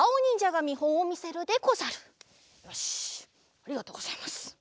ありがとうございます。